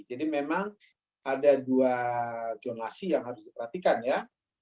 jadi memang ada dua zonasi yang harus diperhatikan ya